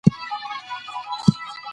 که د يوې نجلۍ کورنی ژوند خراب وو